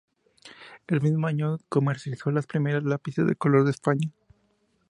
El mismo año comercializó los primeros lápices de color de España.